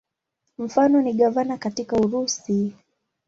Mfano ni gavana katika Urusi.